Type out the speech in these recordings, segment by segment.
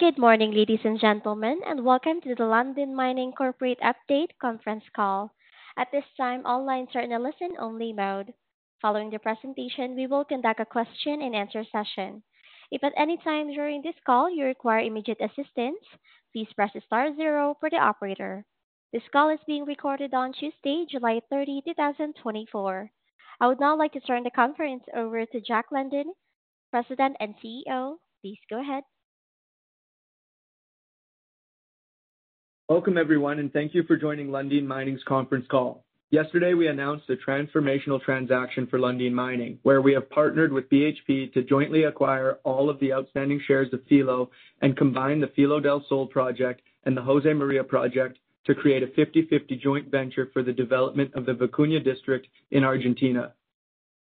Good morning, ladies and gentlemen, and welcome to the Lundin Mining Corporate Update Conference Call. At this time, all lines are in a listen-only mode. Following the presentation, we will conduct a Q&A session. If at any time during this call you require immediate assistance, please press star zero for the operator. This call is being recorded on Tuesday, July 30, 2024. I would now like to turn the conference over to Jack Lundin, President and CEO. Please go ahead. Welcome, everyone, and thank you for joining Lundin Mining's conference call. Yesterday, we announced a transformational transaction for Lundin Mining, where we have partnered with BHP to jointly acquire all of the outstanding shares of Filo and combine the Filo del Sol project and the Josemaria project to create a 50/50 joint venture for the development of the Vicuña District in Argentina.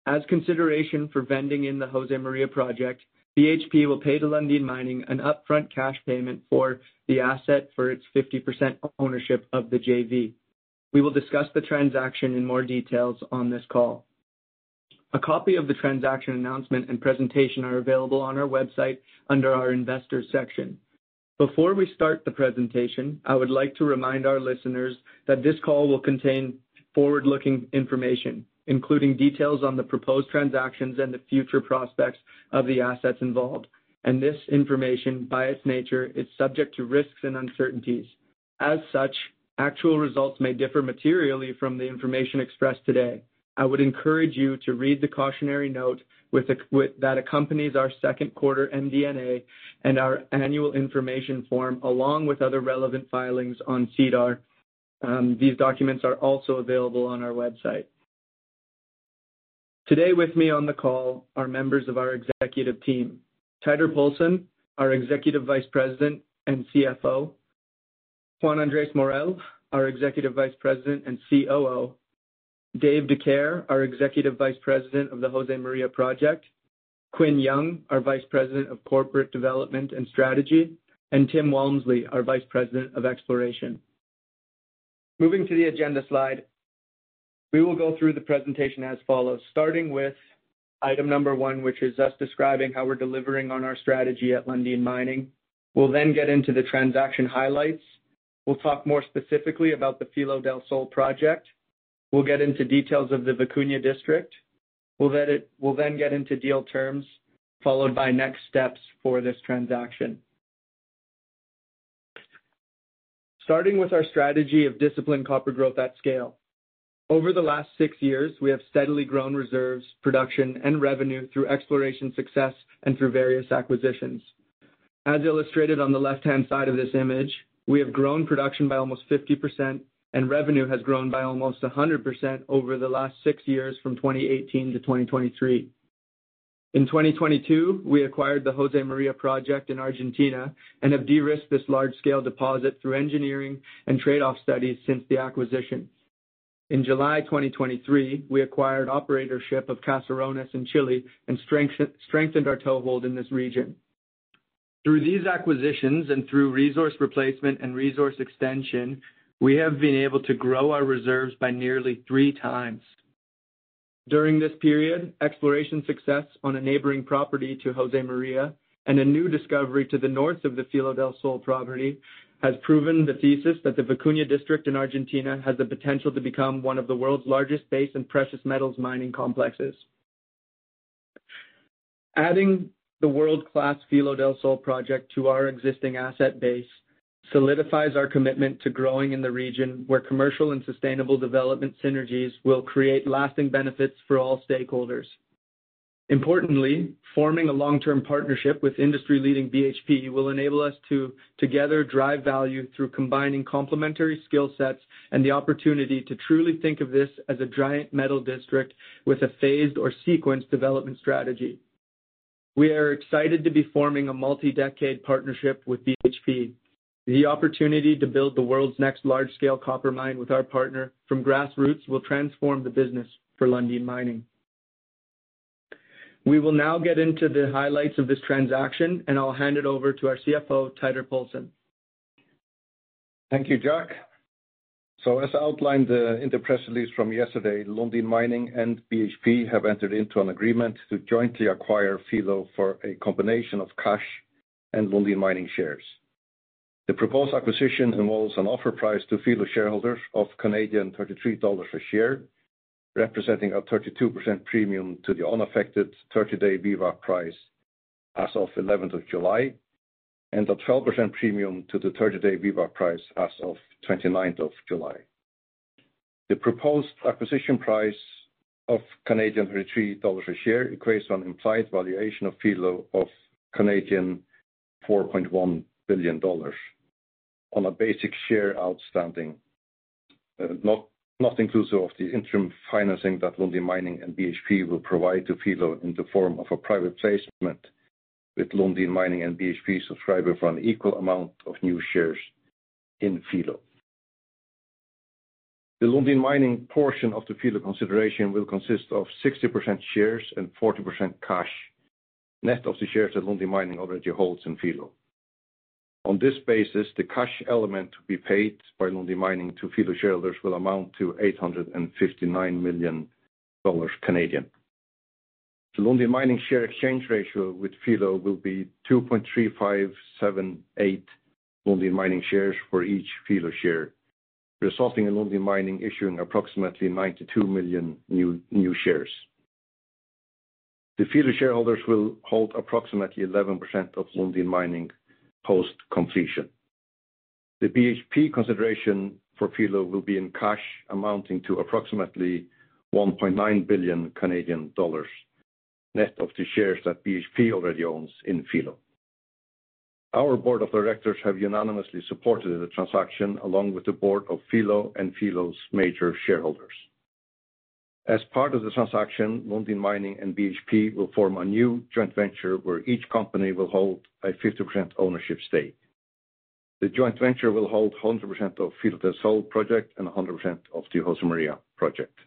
As consideration for vending in the Josemaria project, BHP will pay to Lundin Mining an upfront cash payment for the asset for its 50% ownership of the JV. We will discuss the transaction in more details on this call. A copy of the transaction announcement and presentation are available on our website under our Investors section. Before we start the presentation, I would like to remind our listeners that this call will contain forward-looking information, including details on the proposed transactions and the future prospects of the assets involved, and this information, by its nature, is subject to risks and uncertainties. As such, actual results may differ materially from the information expressed today. I would encourage you to read the cautionary note that accompanies our second quarter MD&A and our annual information form, along with other relevant filings on SEDAR. These documents are also available on our website. Today, with me on the call are members of our executive team: Teitur Poulsen, our Executive Vice President and CFO; Juan Andrés Morel, our Executive Vice President and COO; Dave Dicaire, our Executive Vice President of the Josemaria Project; Quinn Yong, our Vice President of Corporate Development and Strategy; and Tim Walmsley, our Vice President of Exploration. Moving to the agenda slide, we will go through the presentation as follows: Starting with item number one, which is us describing how we're delivering on our strategy at Lundin Mining. We'll then get into the transaction highlights. We'll talk more specifically about the Filo del Sol project. We'll get into details of the Vicuña District. We'll then get into deal terms, followed by next steps for this transaction. Starting with our strategy of disciplined copper growth at scale. Over the last six years, we have steadily grown reserves, production, and revenue through exploration success and through various acquisitions. As illustrated on the left-hand side of this image, we have grown production by almost 50%, and revenue has grown by almost 100% over the last six years, from 2018-2023. In 2022, we acquired the Josemaria project in Argentina and have de-risked this large-scale deposit through engineering and trade-off studies since the acquisition. In July 2023, we acquired operatorship of Caserones in Chile and strengthened our toehold in this region. Through these acquisitions and through resource replacement and resource extension, we have been able to grow our reserves by nearly three times. During this period, exploration success on a neighboring property to Josemaria and a new discovery to the north of the Filo del Sol property has proven the thesis that the Vicuña District in Argentina has the potential to become one of the world's largest base and precious metals mining complexes. Adding the world-class Filo del Sol project to our existing asset base solidifies our commitment to growing in the region, where commercial and sustainable development synergies will create lasting benefits for all stakeholders. Importantly, forming a long-term partnership with industry-leading BHP will enable us to together drive value through combining complementary skill sets and the opportunity to truly think of this as a giant metal district with a phased or sequenced development strategy. We are excited to be forming a multi-decade partnership with BHP. The opportunity to build the world's next large-scale copper mine with our partner from grassroots will transform the business for Lundin Mining. We will now get into the highlights of this transaction, and I'll hand it over to our CFO, Teitur Poulsen. Thank you, Jack. So as outlined in the press release from yesterday, Lundin Mining and BHP have entered into an agreement to jointly acquire Filo for a combination of cash and Lundin Mining shares. The proposed acquisition involves an offer price to Filo shareholders of 33 Canadian dollars per share, representing a 32% premium to the unaffected 30-day VWAP as of 11th of July, and a 12% premium to the 30-day VWAP as of 29th of July. The proposed acquisition price of 33 Canadian dollars a share equates to an implied valuation of Filo of 4.1 billion Canadian dollars on a basic share outstanding, not inclusive of the interim financing that Lundin Mining and BHP will provide to Filo in the form of a private placement, with Lundin Mining and BHP subscribing for an equal amount of new shares in Filo. The Lundin Mining portion of the Filo consideration will consist of 60% shares and 40% cash, net of the shares that Lundin Mining already holds in Filo. On this basis, the cash element to be paid by Lundin Mining to Filo shareholders will amount to 859 million Canadian dollars.... The Lundin Mining share exchange ratio with Filo will be 2.3578 Lundin Mining shares for each Filo share, resulting in Lundin Mining issuing approximately 92 million new shares. The Filo shareholders will hold approximately 11% of Lundin Mining post-completion. The BHP consideration for Filo will be in cash, amounting to approximately CAD 1.9 billion, net of the shares that BHP already owns in Filo. Our board of directors have unanimously supported the transaction, along with the board of Filo and Filo's major shareholders. As part of the transaction, Lundin Mining and BHP will form a new joint venture, where each company will hold a 50% ownership stake. The joint venture will hold 100% of Filo del Sol project and 100% of the Josemaria project.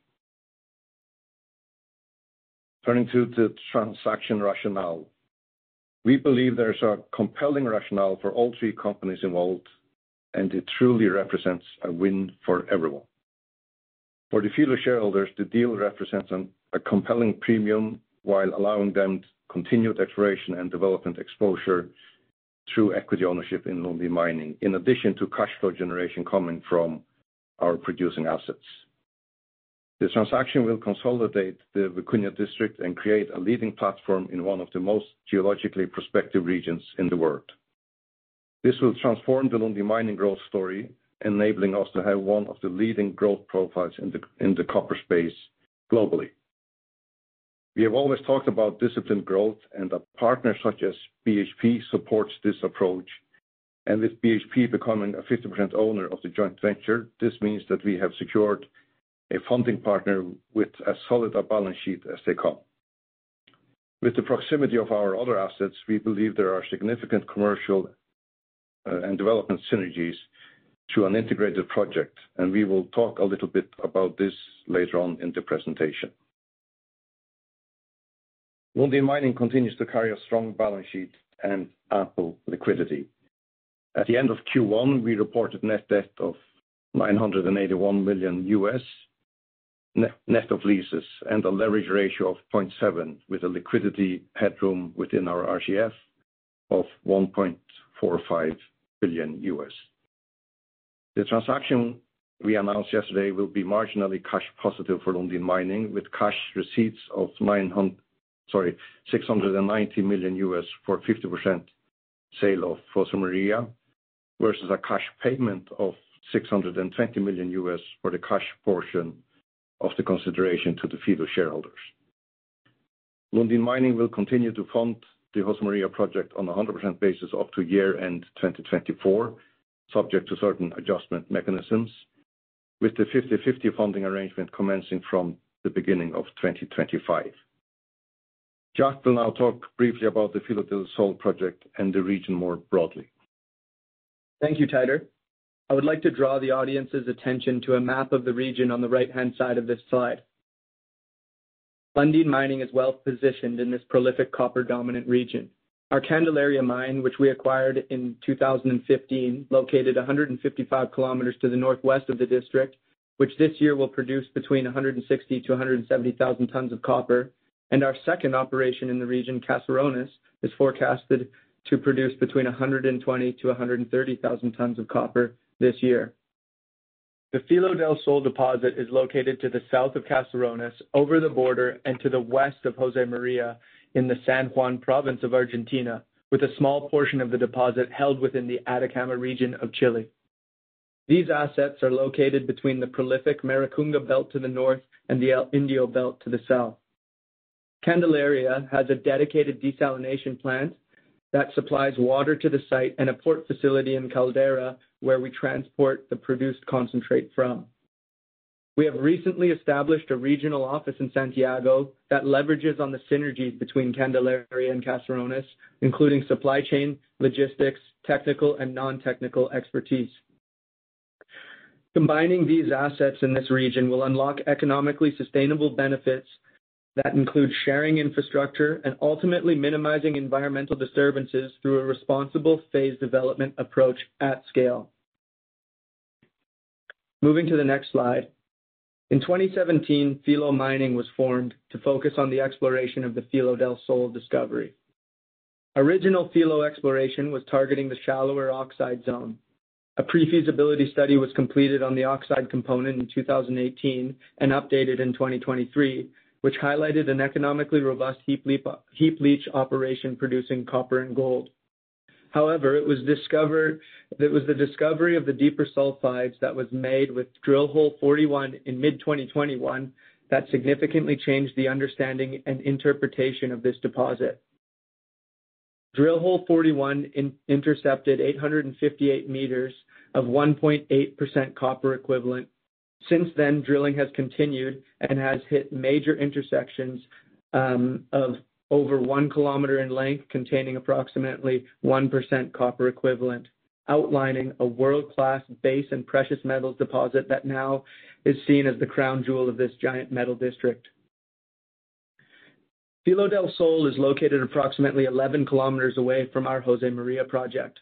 Turning to the transaction rationale. We believe there's a compelling rationale for all three companies involved, and it truly represents a win for everyone. For the Filo shareholders, the deal represents a compelling premium while allowing them continued exploration and development exposure through equity ownership in Lundin Mining, in addition to cash flow generation coming from our producing assets. The transaction will consolidate the Vicuña District and create a leading platform in one of the most geologically prospective regions in the world. This will transform the Lundin Mining growth story, enabling us to have one of the leading growth profiles in the copper space globally. We have always talked about disciplined growth, and a partner such as BHP supports this approach, and with BHP becoming a 50% owner of the joint venture, this means that we have secured a funding partner with as solid a balance sheet as they come. With the proximity of our other assets, we believe there are significant commercial and development synergies through an integrated project, and we will talk a little bit about this later on in the presentation. Lundin Mining continues to carry a strong balance sheet and ample liquidity. At the end of Q1, we reported net debt of $981 million, net of leases, and a leverage ratio of 0.7, with a liquidity headroom within our RCF of $1.45 billion. The transaction we announced yesterday will be marginally cash positive for Lundin Mining, with cash receipts of $690 million for 50% sale of Josemaria, versus a cash payment of $620 million for the cash portion of the consideration to the Filo shareholders. Lundin Mining will continue to fund the Josemaria project on a 100% basis up to year-end 2024, subject to certain adjustment mechanisms, with the 50/50 funding arrangement commencing from the beginning of 2025. Jack will now talk briefly about the Filo del Sol project and the region more broadly. Thank you, Teitur. I would like to draw the audience's attention to a map of the region on the right-hand side of this slide. Lundin Mining is well-positioned in this prolific copper-dominant region. Our Candelaria mine, which we acquired in 2015, located 155 km to the northwest of the district, which this year will produce between 160,000-170,000 tons of copper, and our second operation in the region, Caserones, is forecasted to produce between 120,000-130,000 tons of copper this year. The Filo del Sol deposit is located to the south of Caserones, over the border and to the west of Josemaria, in the San Juan province of Argentina, with a small portion of the deposit held within the Atacama region of Chile. These assets are located between the prolific Maricunga Belt to the north and the El Indio Belt to the south. Candelaria has a dedicated desalination plant that supplies water to the site and a port facility in Caldera, where we transport the produced concentrate from. We have recently established a regional office in Santiago that leverages on the synergies between Candelaria and Caserones, including supply chain, logistics, technical, and non-technical expertise. Combining these assets in this region will unlock economically sustainable benefits that include sharing infrastructure and ultimately minimizing environmental disturbances through a responsible phased development approach at scale. Moving to the next slide. In 2017, Filo Mining was formed to focus on the exploration of the Filo del Sol discovery. Original Filo exploration was targeting the shallower oxide zone. A pre-feasibility study was completed on the oxide component in 2018 and updated in 2023, which highlighted an economically robust heap leach operation producing copper and gold. However, it was the discovery of the deeper sulfides that was made with drill hole 41 in mid-2021 that significantly changed the understanding and interpretation of this deposit. Drill hole 41 intercepted 858 m of 1.8% copper equivalent. Since then, drilling has continued and has hit major intersections of over 1 km in length, containing approximately 1% copper equivalent, outlining a world-class base and precious metals deposit that now is seen as the crown jewel of this giant metal district. Filo del Sol is located approximately 11 km away from our Josemaria project.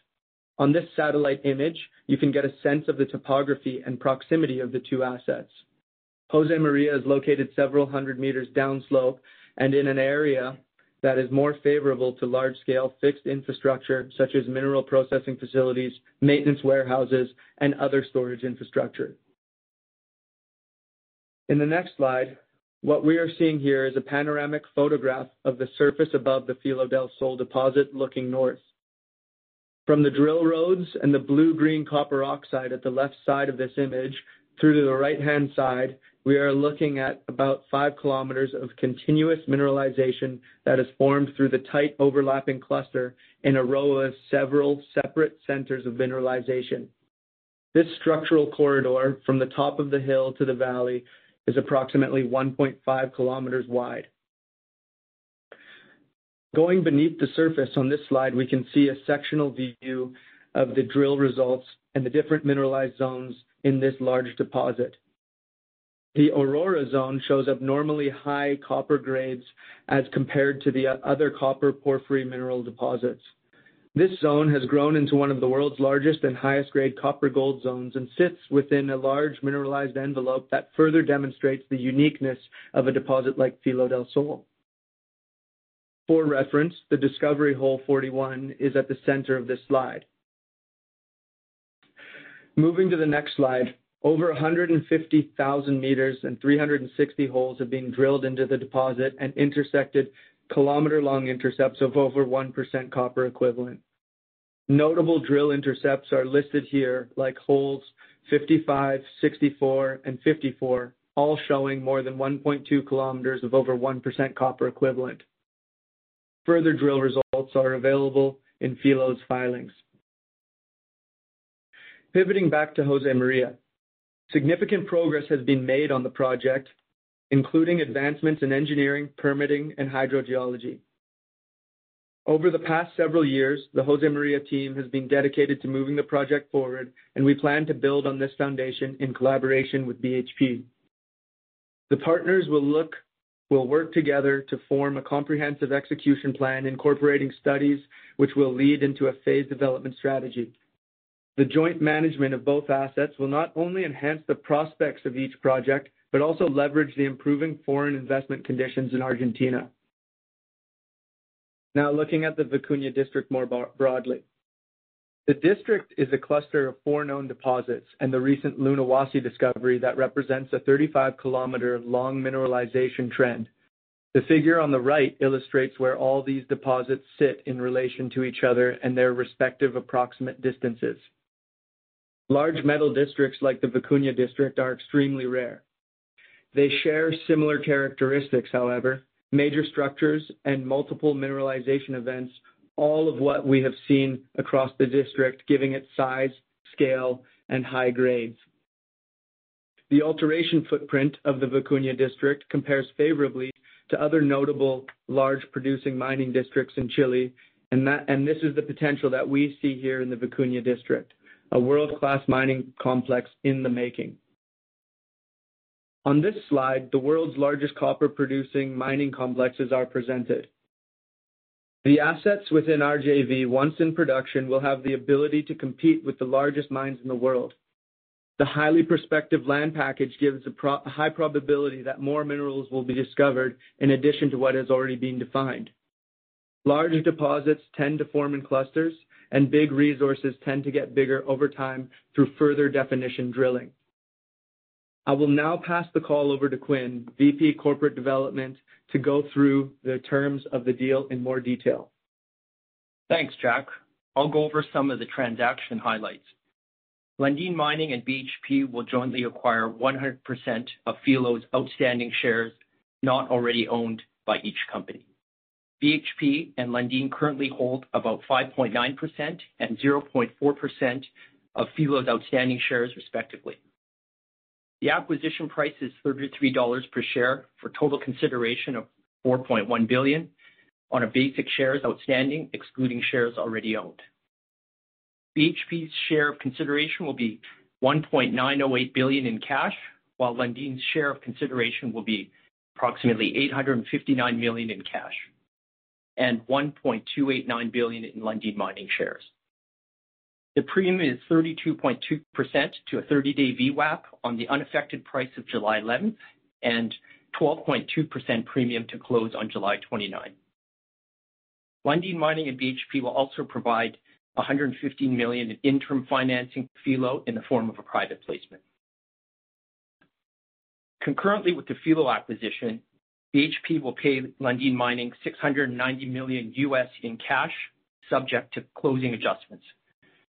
On this satellite image, you can get a sense of the topography and proximity of the two assets. Josemaria is located several hundred meters downslope and in an area that is more favorable to large-scale fixed infrastructure, such as mineral processing facilities, maintenance warehouses, and other storage infrastructure. In the next slide, what we are seeing here is a panoramic photograph of the surface above the Filo del Sol deposit, looking north. From the drill roads and the blue-green copper oxide at the left side of this image, through to the right-hand side, we are looking at about 5 km of continuous mineralization that is formed through the tight overlapping cluster in a row of several separate centers of mineralization. This structural corridor, from the top of the hill to the valley, is approximately 1.5 km wide. Going beneath the surface on this slide, we can see a sectional view of the drill results and the different mineralized zones in this large deposit. The Aurora Zone shows abnormally high copper grades as compared to the other copper porphyry mineral deposits. This zone has grown into one of the world's largest and highest grade copper-gold zones and sits within a large mineralized envelope that further demonstrates the uniqueness of a deposit like Filo del Sol. For reference, the discovery Hole 41 is at the center of this slide. Moving to the next slide, over 150,000 m and 360 holes have been drilled into the deposit and intersected km-long intercepts of over 1% copper equivalent. Notable drill intercepts are listed here, like holes 55, 64, and 54, all showing more than 1.2 km of over 1% copper equivalent. Further drill results are available in Filo's filings. Pivoting back to Josemaria. Significant progress has been made on the project, including advancements in engineering, permitting, and hydrogeology. Over the past several years, the Josemaria team has been dedicated to moving the project forward, and we plan to build on this foundation in collaboration with BHP. The partners will work together to form a comprehensive execution plan, incorporating studies which will lead into a phased development strategy. The joint management of both assets will not only enhance the prospects of each project, but also leverage the improving foreign investment conditions in Argentina. Now, looking at the Vicuña District more broadly. The district is a cluster of 4 known deposits and the recent Lunahuasi discovery that represents a 35-km-long mineralization trend. The figure on the right illustrates where all these deposits sit in relation to each other and their respective approximate distances. Large metal districts, like the Vicuña District, are extremely rare. They share similar characteristics, however, major structures and multiple mineralization events, all of what we have seen across the district, giving it size, scale, and high grades. The alteration footprint of the Vicuña District compares favorably to other notable large producing mining districts in Chile, and that, and this is the potential that we see here in the Vicuña District, a world-class mining complex in the making. On this slide, the world's largest copper-producing mining complexes are presented. The assets within our JV, once in production, will have the ability to compete with the largest mines in the world. The highly prospective land package gives a high probability that more minerals will be discovered in addition to what has already been defined. Larger deposits tend to form in clusters, and big resources tend to get bigger over time through further definition drilling. I will now pass the call over to Quinn, VP Corporate Development, to go through the terms of the deal in more detail. Thanks, Jack. I'll go over some of the transaction highlights. Lundin Mining and BHP will jointly acquire 100% of Filo's outstanding shares not already owned by each company. BHP and Lundin currently hold about 5.9% and 0.4% of Filo's outstanding shares, respectively. The acquisition price is $33 per share for total consideration of $4.1 billion on a basic shares outstanding, excluding shares already owned. BHP's share of consideration will be $1.908 billion in cash, while Lundin's share of consideration will be approximately $859 million in cash and $1.289 billion in Lundin Mining shares. The premium is 32.2% to a 30-day VWAP on the unaffected price of July 11, and 12.2% premium to close on July 29. Lundin Mining and BHP will also provide $115 million in interim financing to Filo in the form of a private placement. Concurrently with the Filo acquisition, BHP will pay Lundin Mining $690 million in cash, subject to closing adjustments,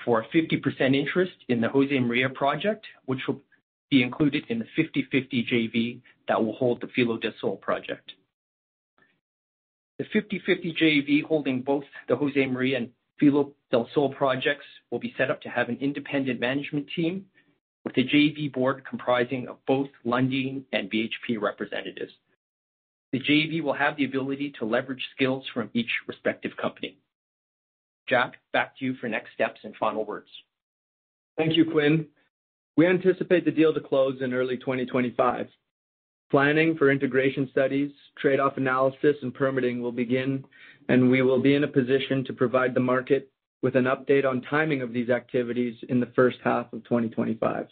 for a 50% interest in the Josemaria project, which will be included in the 50/50 JV that will hold the Filo del Sol project. The 50/50 JV, holding both the Josemaria and Filo del Sol projects, will be set up to have an independent management team with a JV board comprising of both Lundin and BHP representatives. The JV will have the ability to leverage skills from each respective company. Jack, back to you for next steps and final words.... Thank you, Quinn. We anticipate the deal to close in early 2025. Planning for integration studies, trade-off analysis, and permitting will begin, and we will be in a position to provide the market with an update on timing of these activities in the first half of 2025.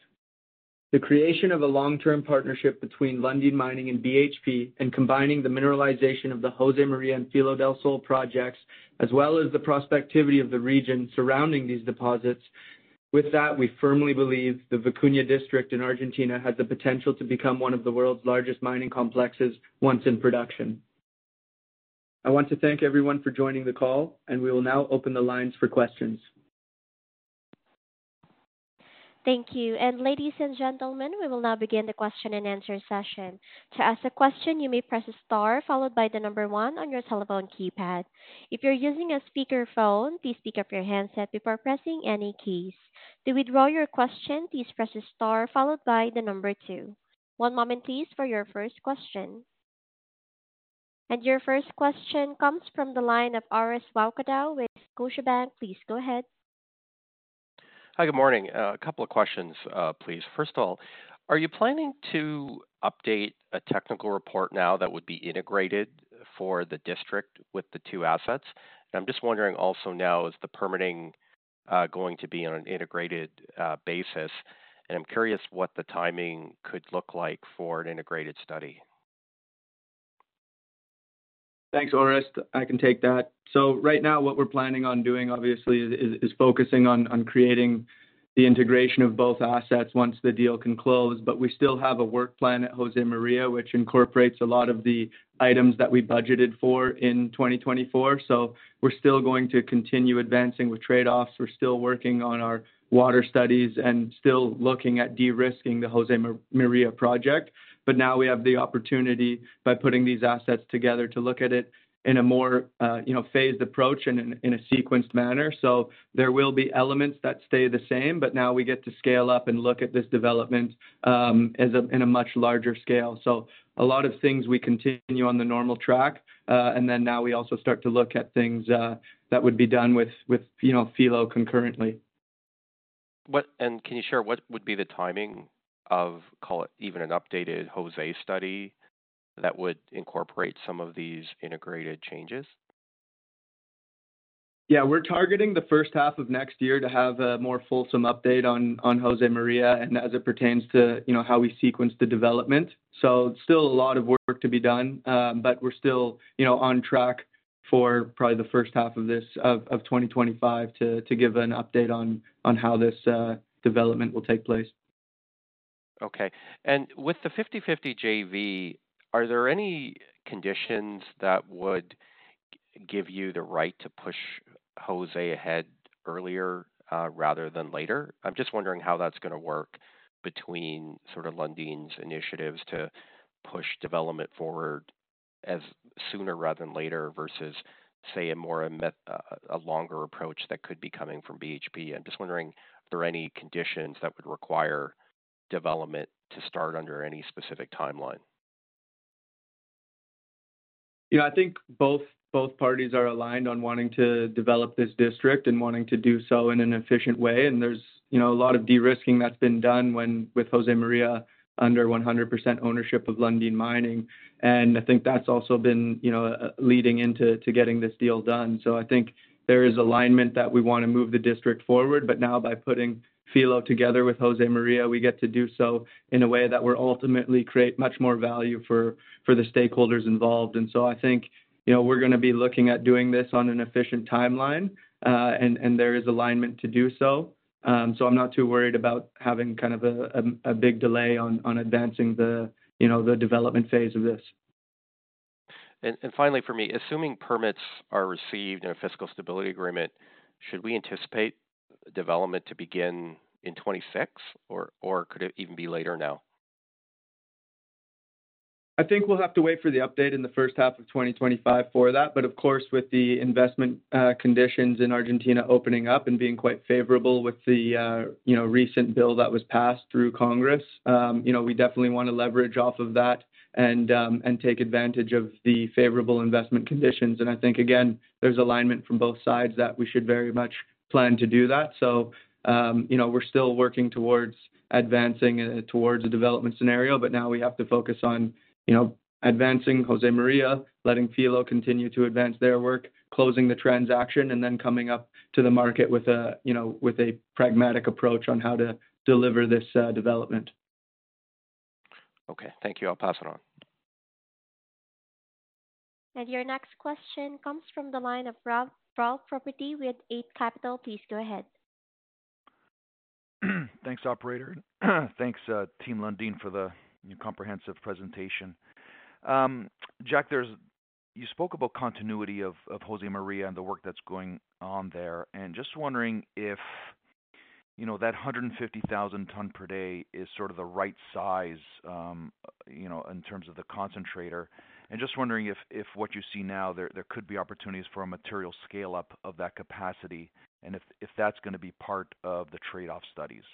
The creation of a long-term partnership between Lundin Mining and BHP, and combining the mineralization of the Josemaria and Filo del Sol projects, as well as the prospectivity of the region surrounding these deposits. With that, we firmly believe the Vicuña District in Argentina has the potential to become one of the world's largest mining complexes once in production. I want to thank everyone for joining the call, and we will now open the lines for questions. Thank you. Ladies and gentlemen, we will now begin the Q&A session. To ask a question, you may press star followed by the number one on your telephone keypad. If you're using a speakerphone, please pick up your handset before pressing any keys. To withdraw your question, please press star followed by the number two. One moment please, for your first question. Your first question comes from the line of Orest Wowkodaw with Scotiabank. Please go ahead. Hi, good morning. A couple of questions, please. First of all, are you planning to update a technical report now that would be integrated for the district with the two assets? And I'm just wondering also now, is the permitting going to be on an integrated basis? And I'm curious what the timing could look like for an integrated study. Thanks, Orest. I can take that. So right now, what we're planning on doing, obviously, is focusing on creating the integration of both assets once the deal can close. But we still have a work plan at Josemaria, which incorporates a lot of the items that we budgeted for in 2024. So we're still going to continue advancing with trade-offs. We're still working on our water studies and still looking at de-risking the Josemaria project. But now we have the opportunity, by putting these assets together, to look at it in a more, you know, phased approach and in a sequenced manner. So there will be elements that stay the same, but now we get to scale up and look at this development, as in a much larger scale. A lot of things we continue on the normal track, and then now we also start to look at things that would be done with, you know, Filo concurrently. Can you share what would be the timing of, call it, even an updated Josemaria study that would incorporate some of these integrated changes? Yeah, we're targeting the first half of next year to have a more fulsome update on Josemaria and as it pertains to, you know, how we sequence the development. So still a lot of work to be done, but we're still, you know, on track for probably the first half of 2025 to give an update on how this development will take place. Okay. With the 50/50 JV, are there any conditions that would give you the right to push Josemaria ahead earlier, rather than later? I'm just wondering how that's gonna work between sort of Lundin's initiatives to push development forward as sooner rather than later, versus, say, a longer approach that could be coming from BHP. I'm just wondering if there are any conditions that would require development to start under any specific timeline. Yeah, I think both, both parties are aligned on wanting to develop this district and wanting to do so in an efficient way. And there's, you know, a lot of de-risking that's been done when, with Josemaria under 100% ownership of Lundin Mining. And I think that's also been, you know, leading into to getting this deal done. So I think there is alignment that we want to move the district forward, but now by putting Filo together with Josemaria, we get to do so in a way that will ultimately create much more value for, for the stakeholders involved. And so I think, you know, we're gonna be looking at doing this on an efficient timeline, and, and there is alignment to do so. I'm not too worried about having kind of a big delay on advancing the, you know, the development phase of this. Finally, for me, assuming permits are received in a fiscal stability agreement, should we anticipate development to begin in 2026, or could it even be later now? I think we'll have to wait for the update in the first half of 2025 for that. But of course, with the investment conditions in Argentina opening up and being quite favorable with the, you know, recent bill that was passed through Congress, you know, we definitely want to leverage off of that and, and take advantage of the favorable investment conditions. And I think, again, there's alignment from both sides that we should very much plan to do that. So, you know, we're still working towards advancing towards a development scenario, but now we have to focus on, you know, advancing Josemaria, letting Filo continue to advance their work, closing the transaction, and then coming up to the market with a, you know, with a pragmatic approach on how to deliver this development. Okay. Thank you. I'll pass it on. Your next question comes from the line of Ralph Profiti with Eight Capital. Please go ahead. Thanks, operator. Thanks, Team Lundin, for the comprehensive presentation. Jack, there's. You spoke about continuity of Josemaria and the work that's going on there. And just wondering if, you know, that 150,000 tons per day is sort of the right size, you know, in terms of the concentrator. And just wondering if what you see now there could be opportunities for a material scale-up of that capacity, and if that's gonna be part of the trade-off studies?...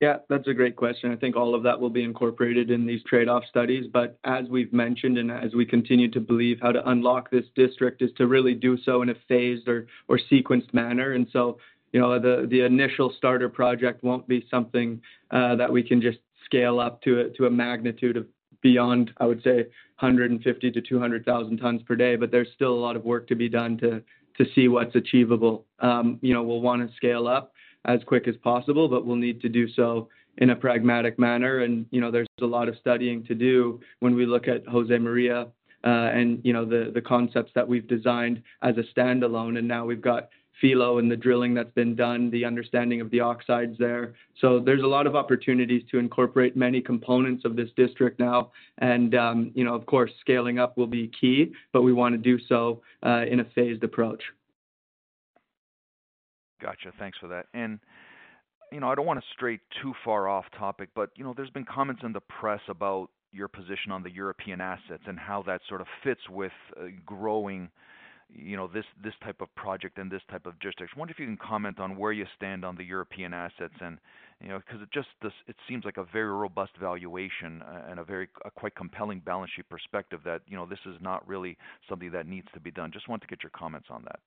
Yeah, that's a great question. I think all of that will be incorporated in these trade-off studies. But as we've mentioned, and as we continue to believe, how to unlock this district is to really do so in a phased or, or sequenced manner. And so, you know, the, the initial starter project won't be something, that we can just scale up to a, to a magnitude of, beyond, I would say, 150,000-200,000 tons per day. But there's still a lot of work to be done to, to see what's achievable. You know, we'll wanna scale up as quick as possible, but we'll need to do so in a pragmatic manner. You know, there's a lot of studying to do when we look at Josemaria, and you know, the concepts that we've designed as a standalone, and now we've got Filo and the drilling that's been done, the understanding of the oxides there. So there's a lot of opportunities to incorporate many components of this district now. You know, of course, scaling up will be key, but we wanna do so in a phased approach. Gotcha. Thanks for that. And, you know, I don't wanna stray too far off topic, but, you know, there's been comments in the press about your position on the European assets and how that sort of fits with growing, you know, this, this type of project and this type of jurisdiction. I wonder if you can comment on where you stand on the European assets and, you know, 'cause it just this, it seems like a very robust valuation, and a very, a quite compelling balance sheet perspective that, you know, this is not really something that needs to be done. Just want to get your comments on that.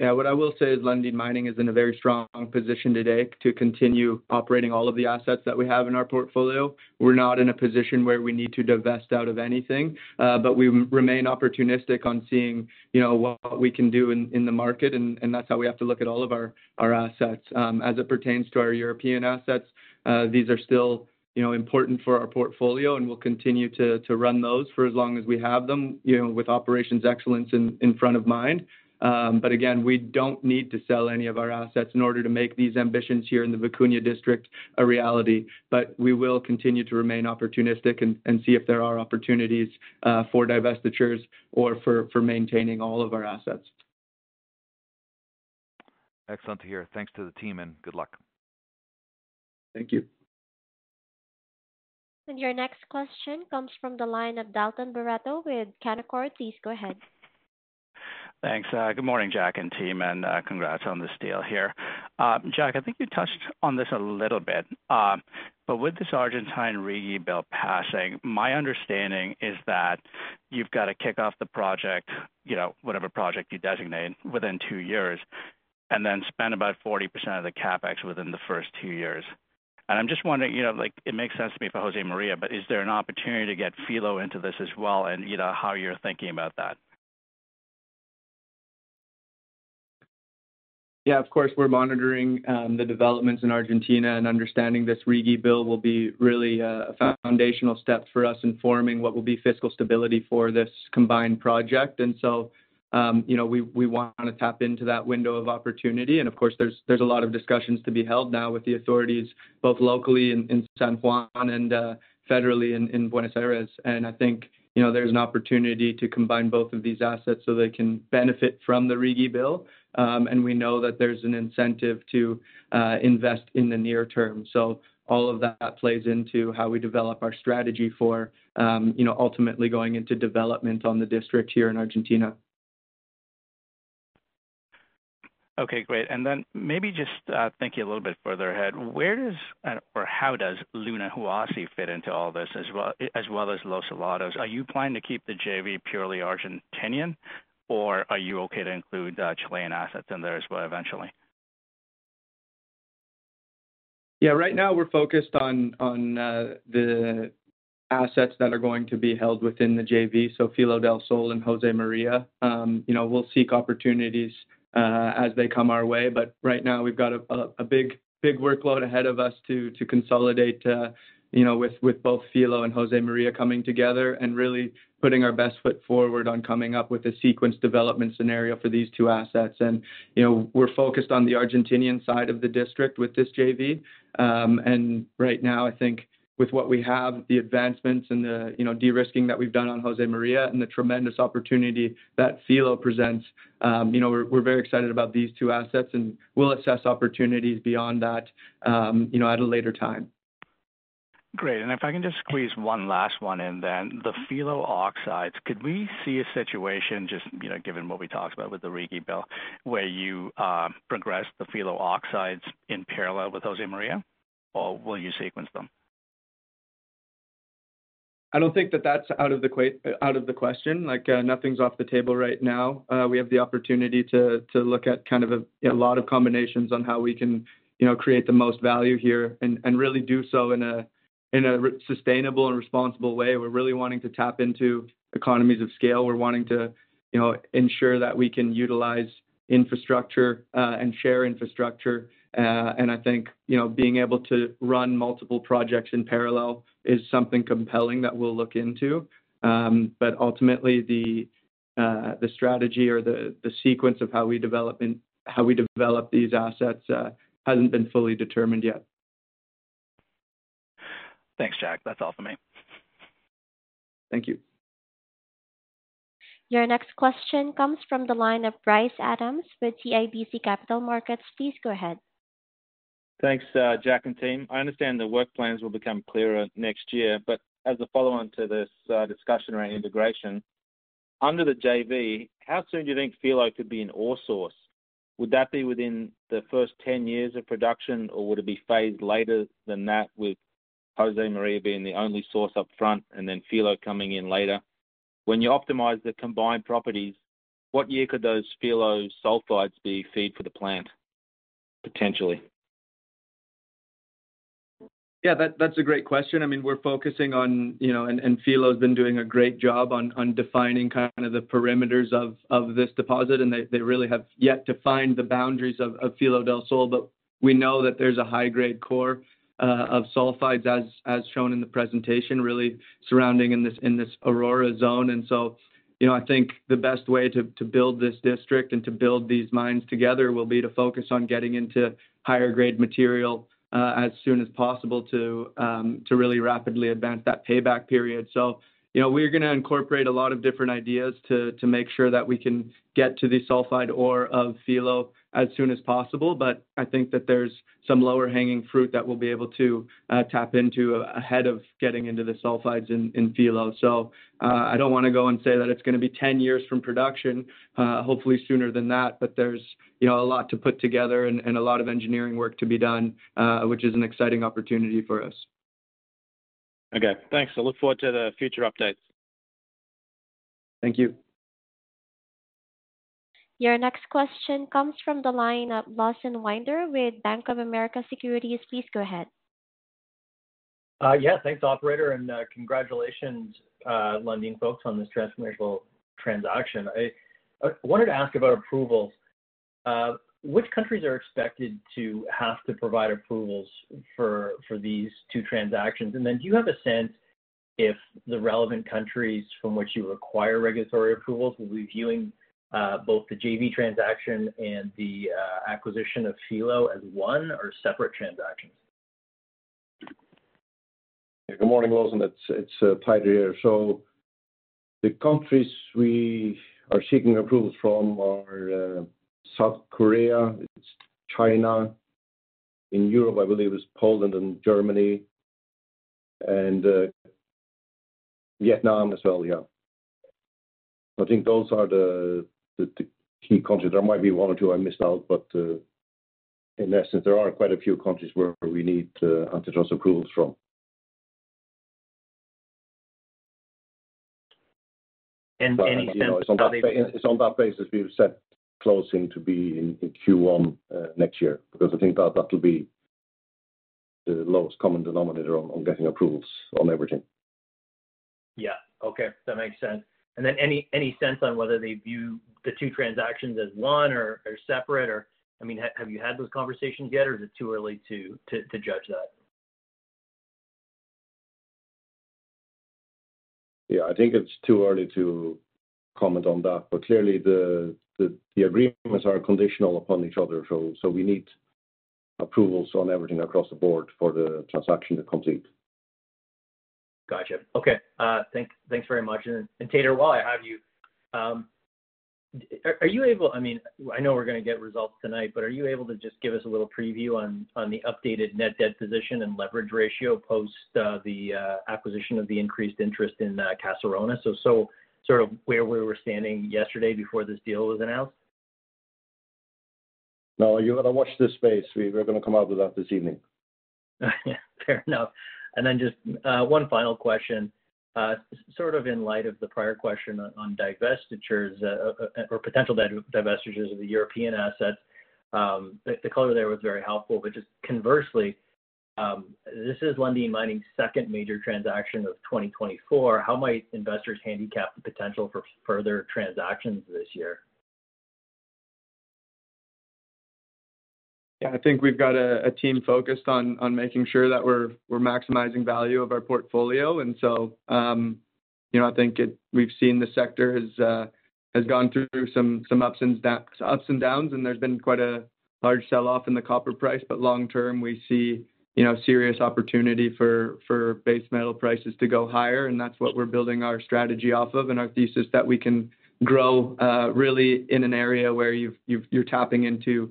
Yeah, what I will say is Lundin Mining is in a very strong position today to continue operating all of the assets that we have in our portfolio. We're not in a position where we need to divest out of anything, but we remain opportunistic on seeing, you know, what we can do in the market, and that's how we have to look at all of our assets. As it pertains to our European assets, these are still, you know, important for our portfolio, and we'll continue to run those for as long as we have them, you know, with operations excellence in front of mind. But again, we don't need to sell any of our assets in order to make these ambitions here in the Vicuña District a reality. We will continue to remain opportunistic and see if there are opportunities for divestitures or for maintaining all of our assets. Excellent to hear. Thanks to the team, and good luck. Thank you. Your next question comes from the line of Dalton Baretto with Canaccord. Please go ahead. Thanks. Good morning, Jack and team, and, congrats on this deal here. Jack, I think you touched on this a little bit. But with this Argentine RIGI bill passing, my understanding is that you've got to kick off the project, you know, whatever project you designate, within two years, and then spend about 40% of the CapEx within the first two years. And I'm just wondering, you know, like, it makes sense to me for Josemaria, but is there an opportunity to get Filo into this as well? And, you know, how you're thinking about that. Yeah, of course, we're monitoring the developments in Argentina, and understanding this RIGI Bill will be really a foundational step for us in forming what will be fiscal stability for this combined project. And so, you know, we wanna tap into that window of opportunity. And of course, there's a lot of discussions to be held now with the authorities, both locally in San Juan and federally in Buenos Aires. And I think, you know, there's an opportunity to combine both of these assets so they can benefit from the RIGI Bill. And we know that there's an incentive to invest in the near term. So all of that plays into how we develop our strategy for, you know, ultimately going into development on the district here in Argentina. Okay, great. And then maybe just, thinking a little bit further ahead, where does, or how does Lunahuasi fit into all this, as well, as well as Los Helados? Are you planning to keep the JV purely Argentinian, or are you okay to include, Chilean assets in there as well eventually? Yeah, right now we're focused on the assets that are going to be held within the JV, so Filo del Sol and Josemaria. You know, we'll seek opportunities as they come our way, but right now we've got a big workload ahead of us to consolidate, you know, with both Filo and Josemaria coming together and really putting our best foot forward on coming up with a sequence development scenario for these two assets. And, you know, we're focused on the Argentinian side of the district with this JV. Right now, I think with what we have, the advancements and the, you know, de-risking that we've done on Josemaria and the tremendous opportunity that Filo presents, you know, we're very excited about these two assets, and we'll assess opportunities beyond that, you know, at a later time. Great. And if I can just squeeze one last one in then. The Filo oxides, could we see a situation just, you know, given what we talked about with the RIGI Bill, where you progress the Filo oxides in parallel with Josemaria, or will you sequence them? I don't think that that's out of the question. Like, nothing's off the table right now. We have the opportunity to look at kind of a lot of combinations on how we can, you know, create the most value here and really do so in a sustainable and responsible way. We're really wanting to tap into economies of scale. We're wanting to, you know, ensure that we can utilize infrastructure and share infrastructure. And I think, you know, being able to run multiple projects in parallel is something compelling that we'll look into. But ultimately, the strategy or the sequence of how we develop these assets hasn't been fully determined yet. Thanks, Jack. That's all for me. Thank you. Your next question comes from the line of Bryce Adams with CIBC Capital Markets. Please go ahead. Thanks, Jack and team. I understand the work plans will become clearer next year, but as a follow-on to this, discussion around integration... ...Under the JV, how soon do you think Filo could be an ore source? Would that be within the first 10 years of production, or would it be phased later than that, with Josemaria being the only source up front and then Filo coming in later? When you optimize the combined properties, what year could those Filo sulfides be fed for the plant, potentially? Yeah, that, that's a great question. I mean, we're focusing on, you know, and, and Filo's been doing a great job on, on defining kind of the perimeters of, of this deposit, and they, they really have yet to find the boundaries of, of Filo del Sol. But we know that there's a high-grade core of sulfides, as, as shown in the presentation, really surrounding in this, in this Aurora Zone. And so, you know, I think the best way to, to build this district and to build these mines together will be to focus on getting into higher grade material as soon as possible to really rapidly advance that payback period. So, you know, we're gonna incorporate a lot of different ideas to, to make sure that we can get to the sulfide ore of Filo as soon as possible. But I think that there's some lower hanging fruit that we'll be able to tap into ahead of getting into the sulfides in Filo. So, I don't want to go and say that it's gonna be 10 years from production, hopefully sooner than that, but there's, you know, a lot to put together and a lot of engineering work to be done, which is an exciting opportunity for us. Okay, thanks. I look forward to the future updates. Thank you. Your next question comes from the line of Lawson Winder with Bank of America Securities. Please go ahead. Yeah, thanks, operator. Congratulations, Lundin folks, on this transformable transaction. I wanted to ask about approvals. Which countries are expected to have to provide approvals for these two transactions? And then do you have a sense if the relevant countries from which you require regulatory approvals will be viewing both the JV transaction and the acquisition of Filo as one or separate transactions? Good morning, Lawson. It's Teitur here. So the countries we are seeking approvals from are South Korea, it's China. In Europe, I believe it's Poland and Germany, and Vietnam as well. Yeah. I think those are the key countries. There might be one or two I missed out, but in essence, there are quite a few countries where we need antitrust approvals from. And any sense- It's on that basis, we've set closing to be in Q1 next year, because I think that that will be the lowest common denominator on getting approvals on everything. Yeah. Okay, that makes sense. And then any sense on whether they view the two transactions as one or separate, or, I mean, have you had those conversations yet, or is it too early to judge that? Yeah, I think it's too early to comment on that. But clearly, the agreements are conditional upon each other, so we need approvals on everything across the board for the transaction to complete. Gotcha. Okay, thanks. Thanks very much. And Teitur, while I have you, are you able—I mean, I know we're gonna get results tonight, but are you able to just give us a little preview on the updated net debt position and leverage ratio post the acquisition of the increased interest in Caserones? So sort of where we were standing yesterday before this deal was announced. No, you've got to watch this space. We're gonna come out with that this evening. Yeah, fair enough. And then just, one final question, sort of in light of the prior question on, on divestitures, or potential divestitures of the European assets, the color there was very helpful. But just conversely, this is Lundin Mining's second major transaction of 2024. How might investors handicap the potential for further transactions this year? Yeah, I think we've got a team focused on making sure that we're maximizing value of our portfolio. And so, you know, I think it—we've seen the sector has gone through some ups and downs, ups and downs, and there's been quite a large sell-off in the copper price. But long term, we see, you know, serious opportunity for base metal prices to go higher, and that's what we're building our strategy off of and our thesis, that we can grow really in an area where you've you're tapping into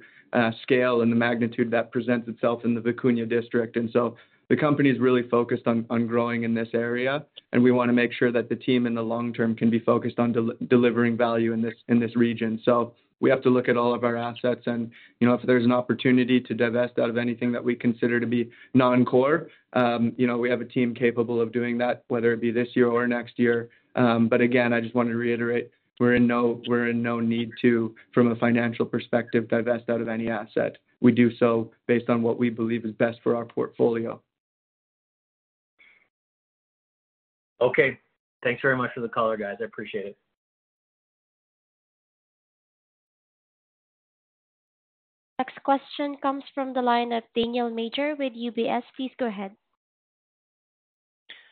scale and the magnitude that presents itself in the Vicuña District. So the company is really focused on growing in this area, and we want to make sure that the team in the long term can be focused on delivering value in this region. So we have to look at all of our assets, and, you know, if there's an opportunity to divest out of anything that we consider to be non-core, you know, we have a team capable of doing that, whether it be this year or next year. But again, I just want to reiterate, we're in no need to, from a financial perspective, divest out of any asset. We do so based on what we believe is best for our portfolio. Okay. Thanks very much for the color, guys. I appreciate it. Next question comes from the line of Daniel Major with UBS. Please go ahead.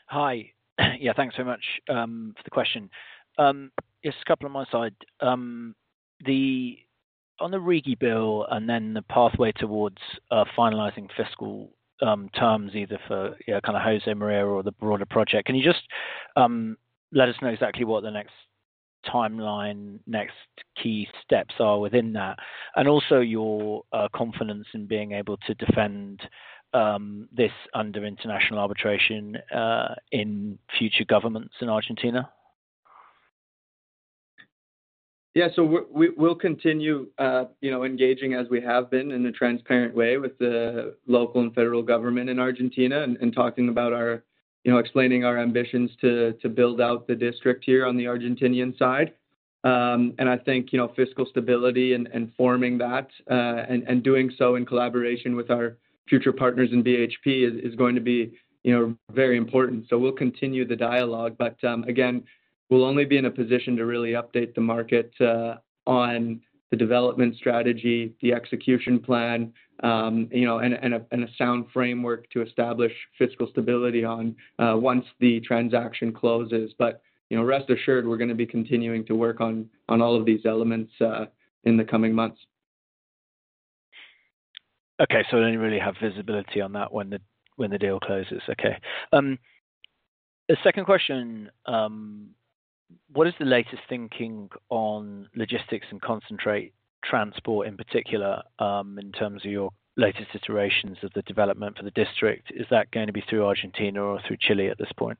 Hi. Yeah, thanks so much for the question. Just a couple on my side. On the RIGI Bill and then the pathway towards finalizing fiscal terms, either for, you know, kind of Josemaria or the broader project, can you just let us know exactly what the next timeline, next key steps are within that? And also your confidence in being able to defend this under international arbitration in future governments in Argentina? Yeah. So we're, we, we'll continue, you know, engaging as we have been in a transparent way with the local and federal government in Argentina, and talking about our, you know, explaining our ambitions to build out the district here on the Argentinian side. And I think, you know, fiscal stability and forming that, and doing so in collaboration with our future partners in BHP is going to be, you know, very important. So we'll continue the dialogue, but, again, we'll only be in a position to really update the market on the development strategy, the execution plan, you know, and a sound framework to establish fiscal stability on once the transaction closes. You know, rest assured we're gonna be continuing to work on all of these elements in the coming months. Okay. So don't you really have visibility on that when the deal closes? Okay. The second question, what is the latest thinking on logistics and concentrate transport, in particular, in terms of your latest iterations of the development for the district? Is that going to be through Argentina or through Chile at this point?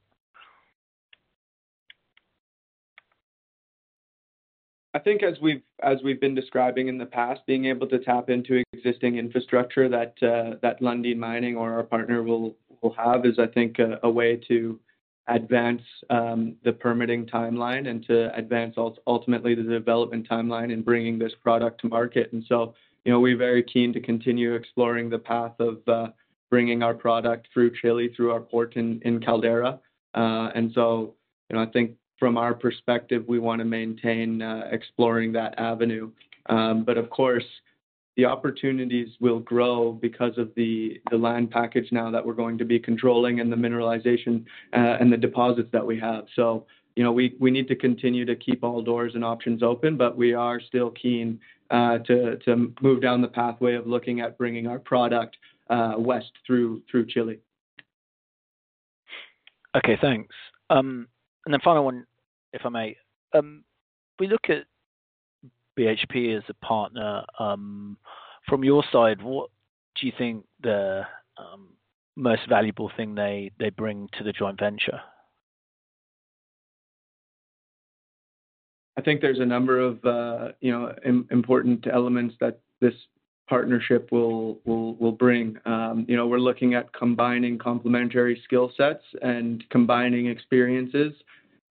I think as we've been describing in the past, being able to tap into existing infrastructure that Lundin Mining or our partner will have, is I think, a way to advance the permitting timeline and to advance ultimately, the development timeline in bringing this product to market. And so, you know, we're very keen to continue exploring the path of bringing our product through Chile, through our port in Caldera. And so, you know, I think from our perspective, we wanna maintain exploring that avenue. But of course, the opportunities will grow because of the land package now that we're going to be controlling and the mineralization, and the deposits that we have. So, you know, we need to continue to keep all doors and options open, but we are still keen to move down the pathway of looking at bringing our product west through Chile. Okay, thanks. Then final one, if I may. We look at BHP as a partner, from your side, what do you think the most valuable thing they, they bring to the joint venture? I think there's a number of, you know, important elements that this partnership will, will, will bring. You know, we're looking at combining complementary skill sets and combining experiences.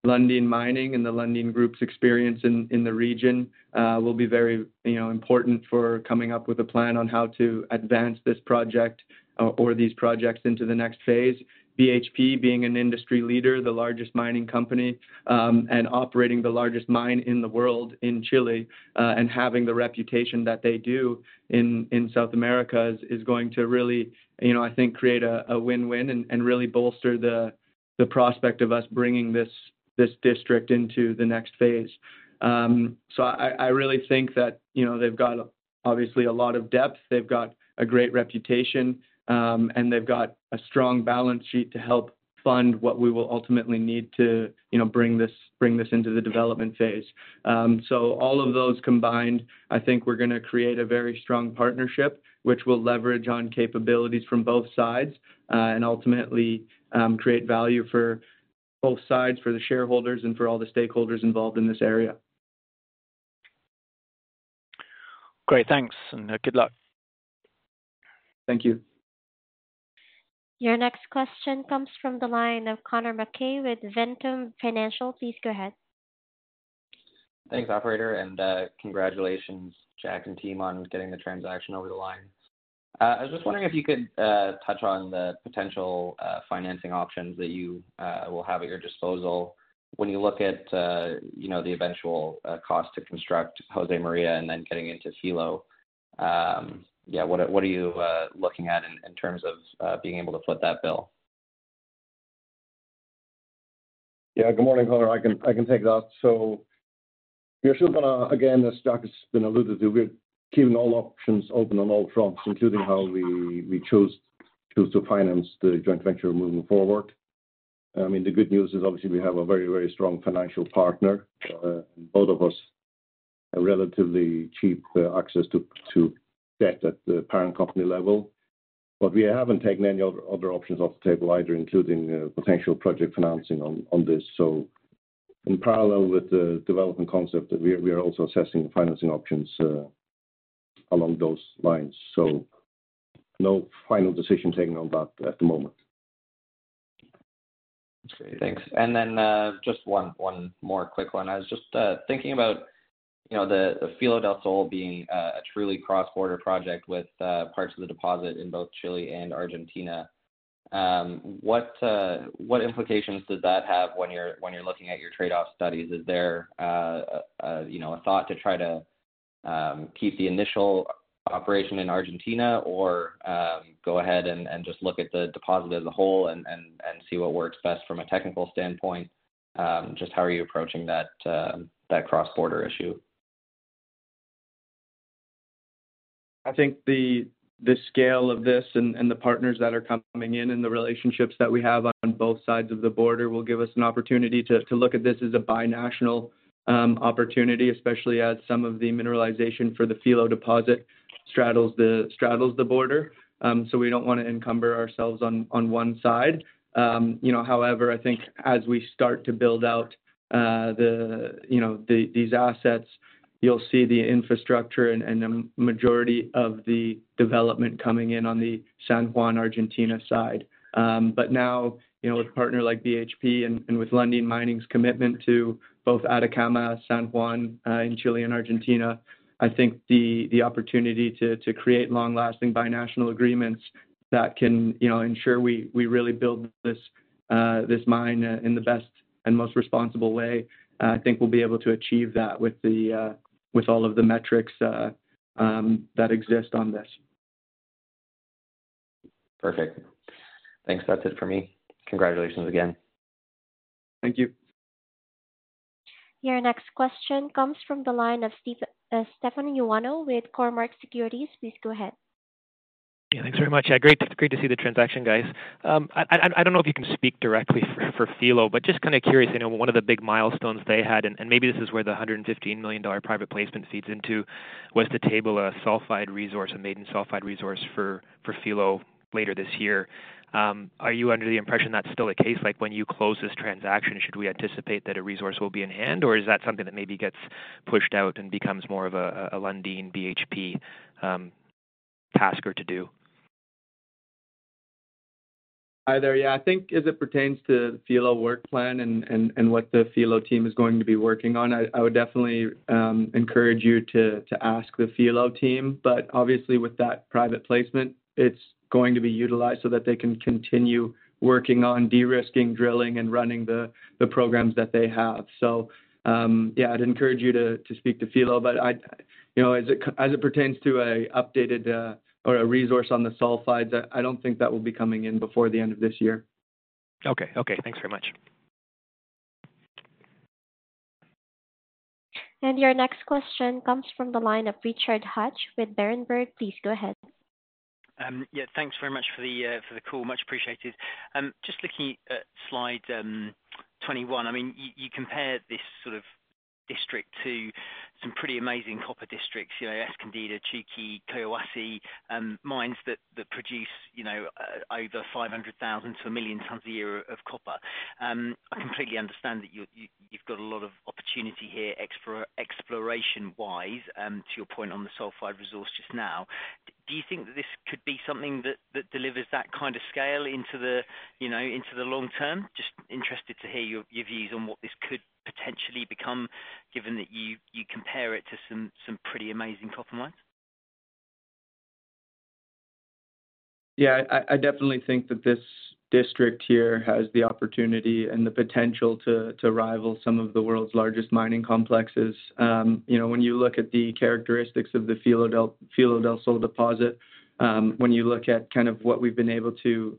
Lundin Mining and the Lundin group's experience in, in the region, will be very, you know, important for coming up with a plan on how to advance this project, or these projects into the next phase. BHP being an industry leader, the largest mining company, and operating the largest mine in the world in Chile, and having the reputation that they do in, in South America, is, is going to really, you know, I think, create a, a win-win and, and really bolster the, the prospect of us bringing this, this district into the next phase. So I really think that, you know, they've got obviously a lot of depth, they've got a great reputation, and they've got a strong balance sheet to help fund what we will ultimately need to, you know, bring this into the development phase. So all of those combined, I think we're gonna create a very strong partnership, which will leverage on capabilities from both sides, and ultimately, create value for both sides, for the shareholders and for all the stakeholders involved in this area. Great, thanks, and good luck. Thank you. Your next question comes from the line of Connor Mackay, with Ventum Financial. Please go ahead. Thanks, operator, and congratulations, Jack and team, on getting the transaction over the line. I was just wondering if you could touch on the potential financing options that you will have at your disposal when you look at, you know, the eventual cost to construct Josemaria and then getting into Filo. Yeah, what are, what are you looking at in terms of being able to foot that bill? Yeah, good morning, Connor. I can take that. So we are still gonna... Again, as Jack has been alluded to, we're keeping all options open on all fronts, including how we choose to finance the joint venture moving forward. I mean, the good news is obviously we have a very, very strong financial partner. Both of us have relatively cheap access to debt at the parent company level, but we haven't taken any other options off the table either, including potential project financing on this. So in parallel with the development concept, we are also assessing the financing options along those lines. So no final decision taken on that at the moment. Thanks. And then, just one more quick one. I was just thinking about, you know, the Filo del Sol being a truly cross-border project with parts of the deposit in both Chile and Argentina. What implications does that have when you're looking at your trade-off studies? Is there, you know, a thought to try to keep the initial operation in Argentina or go ahead and just look at the deposit as a whole and see what works best from a technical standpoint? Just how are you approaching that cross-border issue? I think the scale of this and the partners that are coming in, and the relationships that we have on both sides of the border, will give us an opportunity to look at this as a binational opportunity, especially as some of the mineralization for the Filo deposit straddles the border. So we don't want to encumber ourselves on one side. You know, however, I think as we start to build out these assets, you'll see the infrastructure and the majority of the development coming in on the San Juan, Argentina, side. But now, you know, with a partner like BHP and with Lundin Mining's commitment to both Atacama, San Juan, in Chile and Argentina, I think the opportunity to create long-lasting binational agreements that can, you know, ensure we really build this mine in the best and most responsible way, I think we'll be able to achieve that with all of the metrics that exist on this. Perfect. Thanks. That's it for me. Congratulations again. Thank you. Your next question comes from the line of Steve, Stefan Ioannou with Cormark Securities. Please go ahead. Yeah, thanks very much. Yeah, great, great to see the transaction, guys. I don't know if you can speak directly for Filo, but just kind of curious, you know, one of the big milestones they had, and maybe this is where the $115 million private placement feeds into, was to table a sulfide resource, a maiden sulfide resource for Filo later this year. Are you under the impression that's still the case? Like, when you close this transaction, should we anticipate that a resource will be in hand, or is that something that maybe gets pushed out and becomes more of a Lundin, BHP, task or to-do? Either, yeah, I think as it pertains to the Filo work plan and what the Filo team is going to be working on, I would definitely encourage you to ask the Filo team. But obviously, with that private placement, it's going to be utilized so that they can continue working on de-risking, drilling, and running the programs that they have. So, yeah, I'd encourage you to speak to Filo. But I, you know, as it pertains to a updated or a resource on the sulfides, I don't think that will be coming in before the end of this year. Okay. Okay, thanks very much. Your next question comes from the line of Richard Hatch with Berenberg. Please go ahead. Yeah, thanks very much for the call. Much appreciated. Just looking at slide 21, I mean, you compare this sort of district to some pretty amazing copper districts, you know, Escondida, Chuquicamata, Collahuasi, mines that produce, you know, over 500,000-millions tons a year of copper. I completely understand that you, you've got a lot of opportunity here, exploration-wise, to your point on the sulfide resource just now. Do you think that this could be something that delivers that kind of scale into the, you know, into the long term? Just interested to hear your views on what this could potentially become, given that you compare it to some pretty amazing copper mines. Yeah, I definitely think that this district here has the opportunity and the potential to rival some of the world's largest mining complexes. You know, when you look at the characteristics of the Filo del Sol deposit, when you look at kind of what we've been able to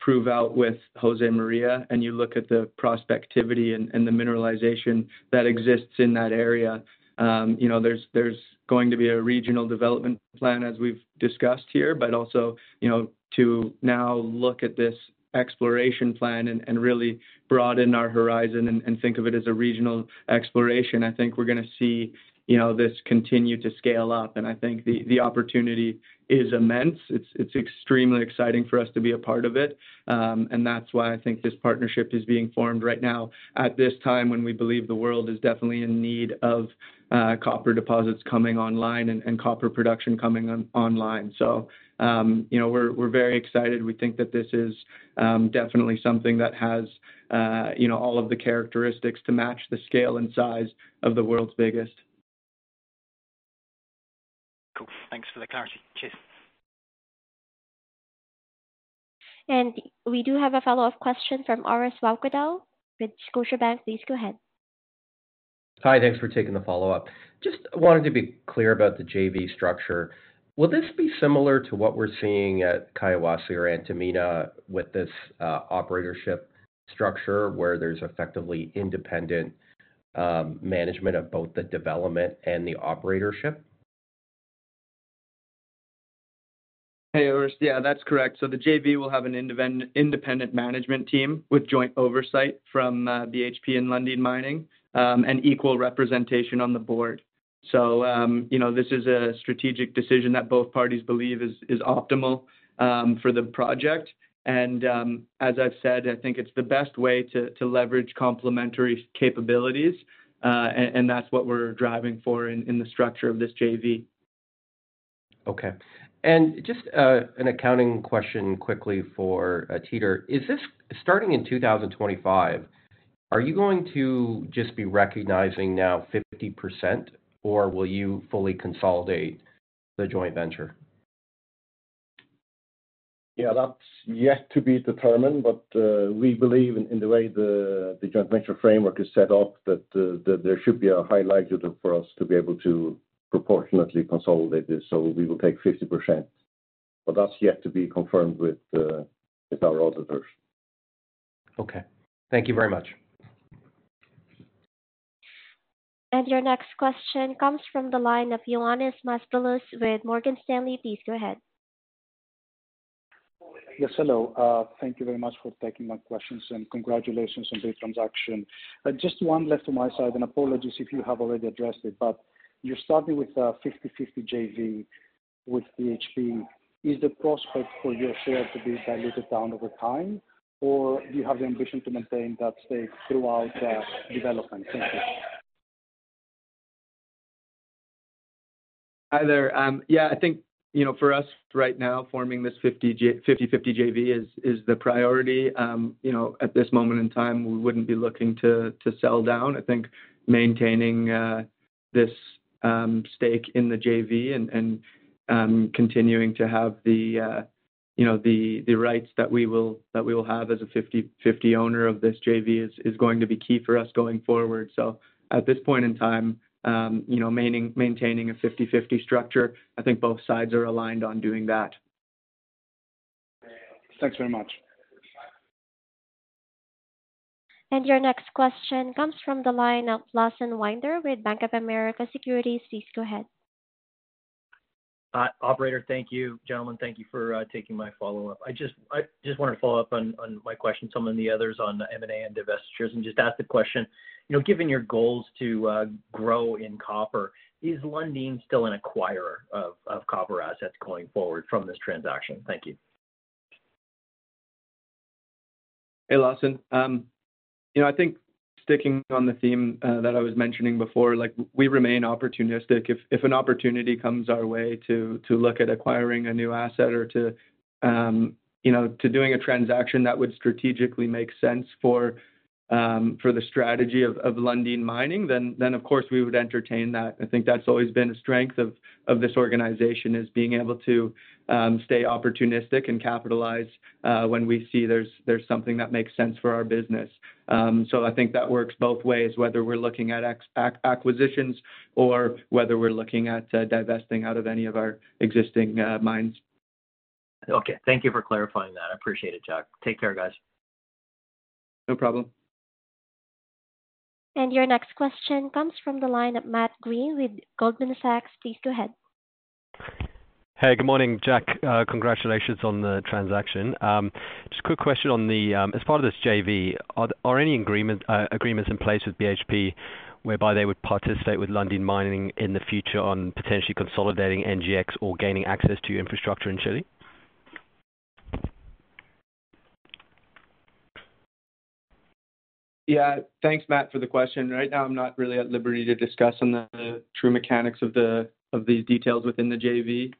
prove out with Josemaria, and you look at the prospectivity and the mineralization that exists in that area, you know, there's going to be a regional development plan, as we've discussed here. But also, you know, to now look at this exploration plan and really broaden our horizon and think of it as a regional exploration, I think we're gonna see, you know, this continue to scale up, and I think the opportunity is immense. It's extremely exciting for us to be a part of it. And that's why I think this partnership is being formed right now, at this time, when we believe the world is definitely in need of copper deposits coming online and copper production coming online. So, you know, we're very excited. We think that this is definitely something that has, you know, all of the characteristics to match the scale and size of the world's biggest. Cool. Thanks for the clarity. Cheers. We do have a follow-up question from Orest Wowkodaw with Scotiabank. Please go ahead. Hi, thanks for taking the follow-up. Just wanted to be clear about the JV structure. Will this be similar to what we're seeing at Kayasi or Antamina with this operatorship structure, where there's effectively independent management of both the development and the operatorship? Hey, Orest. Yeah, that's correct. So the JV will have an independent management team with joint oversight from BHP and Lundin Mining, and equal representation on the board. So, you know, this is a strategic decision that both parties believe is optimal for the project. And, as I've said, I think it's the best way to leverage complementary capabilities, and that's what we're driving for in the structure of this JV. Okay. And just an accounting question quickly for Teitur. Is this—starting in 2025, are you going to just be recognizing now 50%, or will you fully consolidate the joint venture? Yeah, that's yet to be determined, but, we believe in the way the joint venture framework is set up, that there should be a high likelihood for us to be able to proportionately consolidate this, so we will take 50%. But that's yet to be confirmed with our auditors. Okay. Thank you very much. Your next question comes from the line of Ioannis Masvoulas with Morgan Stanley. Please go ahead.... Yes, hello. Thank you very much for taking my questions, and congratulations on the transaction. But just one left on my side, and apologies if you have already addressed it, but you're starting with 50/50 JV with BHP. Is the prospect for your share to be diluted down over time, or do you have the ambition to maintain that stake throughout the development? Thank you. Hi, there. Yeah, I think, you know, for us right now, forming this 50/50 JV is the priority. You know, at this moment in time, we wouldn't be looking to sell down. I think maintaining this stake in the JV and continuing to have the, you know, the rights that we will have as a 50/50 owner of this JV is going to be key for us going forward. So at this point in time, you know, maintaining a 50/50 structure, I think both sides are aligned on doing that. Thanks very much. Your next question comes from the line of Lawson Winder with Bank of America Securities. Please go ahead. Operator, thank you. Gentlemen, thank you for taking my follow-up. I just wanted to follow up on my question to some of the others on M&A and divestitures, and just ask the question, you know, given your goals to grow in copper, is Lundin still an acquirer of copper assets going forward from this transaction? Thank you. Hey, Lawson. You know, I think sticking on the theme that I was mentioning before, like, we remain opportunistic. If an opportunity comes our way to look at acquiring a new asset or to doing a transaction that would strategically make sense for the strategy of Lundin Mining, then, of course, we would entertain that. I think that's always been a strength of this organization, is being able to stay opportunistic and capitalize when we see there's something that makes sense for our business. So I think that works both ways, whether we're looking at acquisitions or whether we're looking at divesting out of any of our existing mines. Okay, thank you for clarifying that. I appreciate it, Jack. Take care, guys. No problem. Your next question comes from the line of Matt Greene with Goldman Sachs. Please go ahead. Hey, good morning, Jack. Congratulations on the transaction. Just a quick question on the... As part of this JV, are any agreements in place with BHP whereby they would participate with Lundin Mining in the future on potentially consolidating NGEx or gaining access to infrastructure in Chile? Yeah. Thanks, Matt, for the question. Right now, I'm not really at liberty to discuss on the true mechanics of the, of these details within the JV.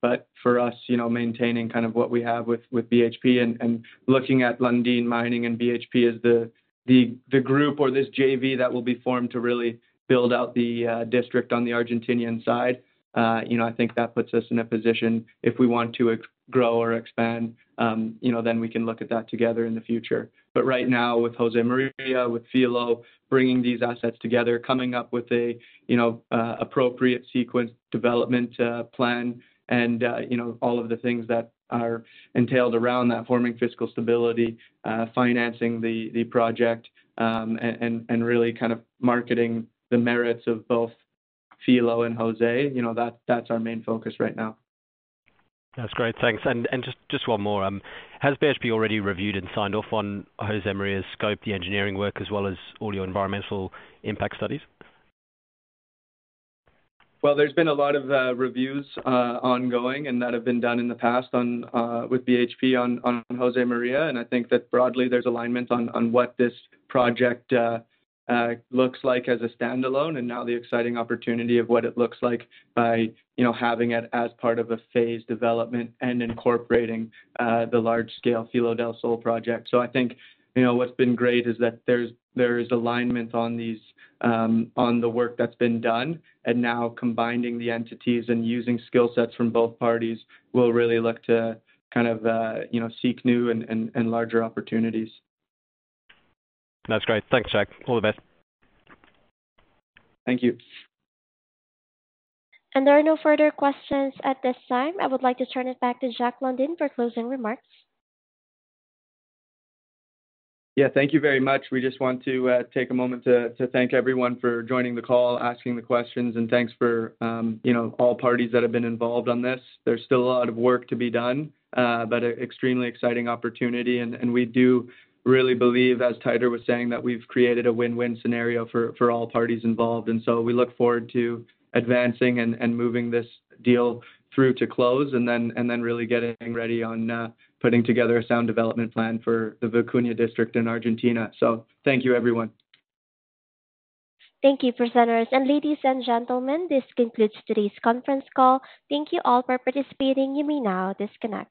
But for us, you know, maintaining kind of what we have with, with BHP and, and looking at Lundin Mining and BHP as the, the, the group or this JV that will be formed to really build out the, uh, district on the Argentinian side, uh, you know, I think that puts us in a position if we want to ex-- grow or expand, um, you know, then we can look at that together in the future. But right now, with Josemaria, with Filo, bringing these assets together, coming up with a you know appropriate sequence development plan, and you know all of the things that are entailed around that, forming fiscal stability, financing the the project, and and and really kind of marketing the merits of both Filo and Josemaria, you know that's that's our main focus right now. That's great. Thanks. And just one more. Has BHP already reviewed and signed off on Josemaria's scope, the engineering work, as well as all your environmental impact studies? Well, there's been a lot of reviews ongoing and that have been done in the past on with BHP on Josemaria, and I think that broadly, there's alignment on what this project looks like as a standalone, and now the exciting opportunity of what it looks like by, you know, having it as part of a phased development and incorporating the large-scale Filo del Sol project. So I think, you know, what's been great is that there is alignment on these on the work that's been done, and now combining the entities and using skill sets from both parties, we'll really look to kind of, you know, seek new and larger opportunities. That's great. Thanks, Jack. All the best. Thank you. There are no further questions at this time. I would like to turn it back to Jack Lundin for closing remarks. Yeah, thank you very much. We just want to take a moment to thank everyone for joining the call, asking the questions, and thanks for, you know, all parties that have been involved on this. There's still a lot of work to be done, but an extremely exciting opportunity, and we do really believe, as Teitur was saying, that we've created a win-win scenario for all parties involved. So we look forward to advancing and moving this deal through to close, and then really getting ready on putting together a sound development plan for the Vicuña District in Argentina. So thank you, everyone. Thank you, presenters. Ladies and gentlemen, this concludes today's conference call. Thank you all for participating. You may now disconnect.